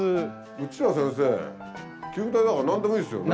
うちら先生球体だから何でもいいっすよね？